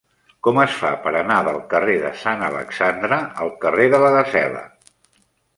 Com es fa per anar del carrer de Sant Alexandre al carrer de la Gasela?